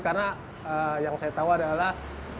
karena yang saya tahu adalah